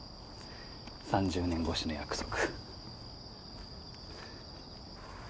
３０年越しの約束。